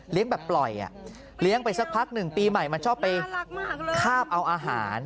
แบบปล่อยเลี้ยงไปสักพักหนึ่งปีใหม่มันชอบไปคาบเอาอาหาร